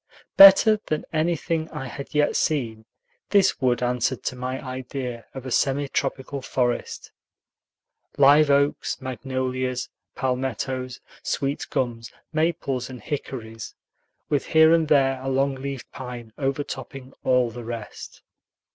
Better than anything I had yet seen, this wood answered to my idea of a semi tropical forest: live oaks, magnolias, palmettos, sweet gums, maples, and hickories, with here and there a long leaved pine overtopping all the rest.